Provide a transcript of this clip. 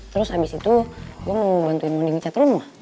terus abis itu gue mau bantuin mondi ngecat rumah